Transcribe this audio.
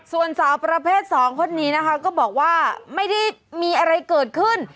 ส่วนสาวประเภท๒คนนี้นะคะก็บอกว่าไม่ได้มีอะไรเกิดขึ้น